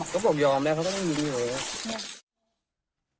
ก็ผมยอมแล้วเขาก็ไม่มีการประทะ